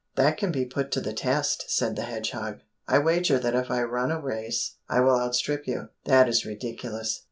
"That can be put to the test," said the hedgehog. "I wager that if we run a race, I will outstrip you." "That is ridiculous!